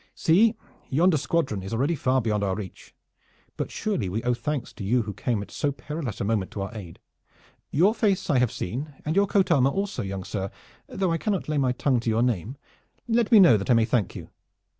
See, yonder squadron is already far beyond our reach. But surely we owe thanks to you who came at so perilous a moment to our aid. Your face I have seen, and your coat armor also, young sir, though I cannot lay my tongue to your name. Let me know that I may thank you."